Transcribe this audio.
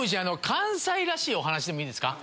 関西らしいお話でもいいですか。